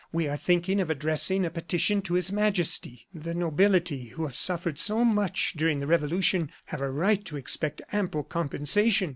We are thinking of addressing a petition to His Majesty. The nobility, who have suffered so much during the Revolution, have a right to expect ample compensation.